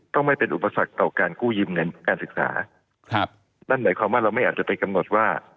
ไม่เป็นอุปสรรคต่อการกู้ยืมเงินการศึกษาครับนั่นหมายความว่าเราไม่อาจจะไปกำหนดว่า